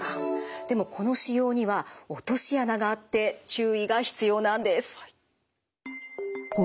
でもこの使用には落とし穴があって注意が必要なんです。